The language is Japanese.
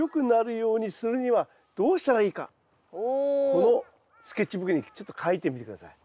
このスケッチブックにちょっと描いてみて下さい。